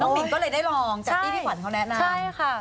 น้องมิงก็เลยได้ลองจากที่ที่ขวัญเขาแนะนำ